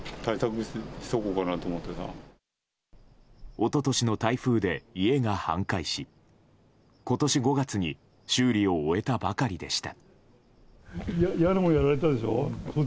一昨年の台風で家が半壊し今年５月に修理を終えたばかりでした。